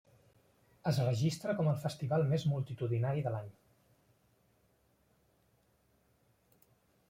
Es registra com el festival més multitudinari de l'any.